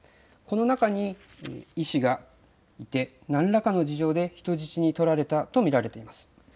この中に医師がいて何らかの事情で人質に取られたと見られています。